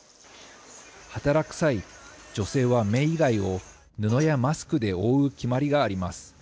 働く際、女性は目以外を布やマスクで覆う決まりがあります。